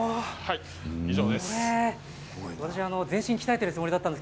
以上です。